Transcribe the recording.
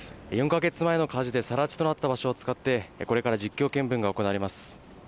４か月前の火事で更地となった場所を使ってこれから実況見分が行われます